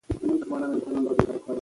که لوبه وي نو درس نه سختيږي.